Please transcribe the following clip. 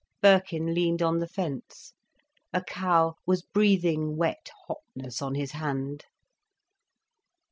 Birkin leaned on the fence. A cow was breathing wet hotness on his hand.